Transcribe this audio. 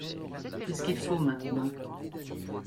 Qu'est-ce qu'il faut maintenant ?